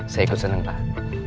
saya ikut seneng pak